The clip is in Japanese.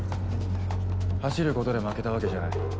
走ることで負けたわけじゃない。